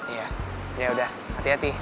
iya yaudah hati hati